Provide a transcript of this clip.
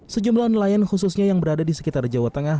sejumlah nelayan khususnya yang berada di sekitar jawa tengah